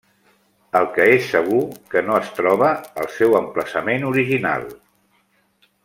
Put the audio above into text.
El que és segur que no es troba al seu emplaçament original.